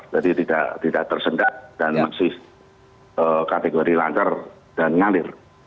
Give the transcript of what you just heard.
jadi tidak tersenggak dan masih kategori lancar dan ngalir